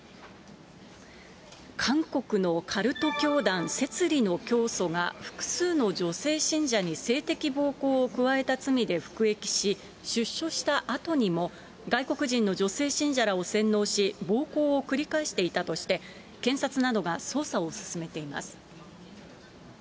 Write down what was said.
韓国のカルト教団、せつりの教祖が複数の女性信者に性的暴行を加えた罪で服役し、出所したあとにも、外国人の女性信者らを洗脳し、暴行を繰り返していたとして、検察などが捜査を進めています。